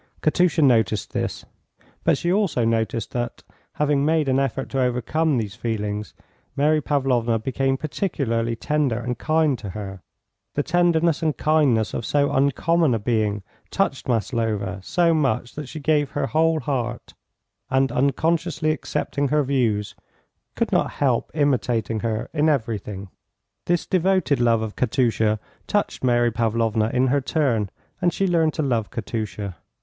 Katusha noticed this, but she also noticed that, having made an effort to overcome these feelings, Mary Pavlovna became particularly tender and kind to her. The tenderness and kindness of so uncommon a being touched Maslova so much that she gave her whole heart, and unconsciously accepting her views, could not help imitating her in everything. This devoted love of Katusha touched Mary Pavlovna in her turn, and she learned to love Katusha.